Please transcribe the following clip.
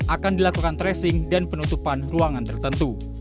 akan dilakukan tracing dan penutupan ruangan tertentu